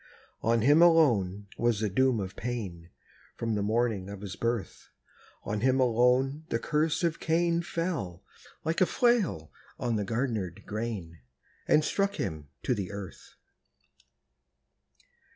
On him alone was the doom of pain, From the morning of his birth; On him alone the curse of Cain Fell, like a flail on the garnered grain, And struck him to the earth!